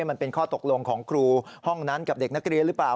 มันเป็นข้อตกลงของครูห้องนั้นกับเด็กนักเรียนหรือเปล่า